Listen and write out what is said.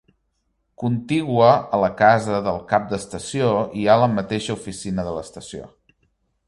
Contigua a la casa del cap d'estació hi ha la mateixa oficina de l'estació.